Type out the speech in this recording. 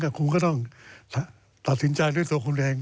คุณก็ต้องตัดสินใจด้วยตัวคุณเอง